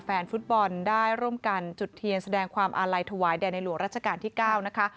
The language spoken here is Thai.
แฟนฟุตบอลได้ร่วมกันจุดเทียนแสดงความอาลัยถวายแด่ในหลวงราชการที่๙นะคะ